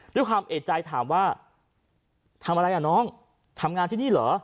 ด้วยความเอกใจถามว่าทำอะไรอ่ะน้องทำงานที่นี่เหรอ